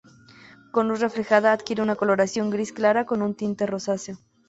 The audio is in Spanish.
Con luz reflejada adquiere una coloración gris clara con un tinte rosáceo.